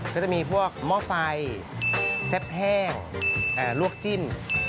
ก็จะมีพวกหม้อไฟแซ่บแห้งลวกจิ้ม